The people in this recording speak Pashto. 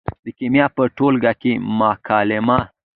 د کیمیا په ټولګي کې مکالمه